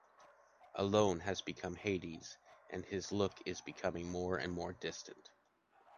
Alone has become Hades, and his look is becoming more and more distant.